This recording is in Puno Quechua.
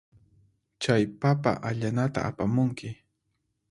Chay papa allanata apamunki.